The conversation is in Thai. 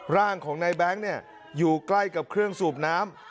ร่างของนายแบงค์อยู่ใกล้กับเครื่องสูบน้ำ